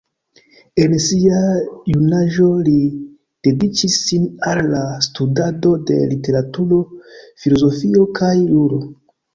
En sia junaĝo li dediĉis sin al la studado de literaturo, filozofio kaj juro.